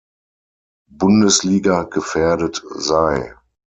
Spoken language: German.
Bundesliga gefährdet sei.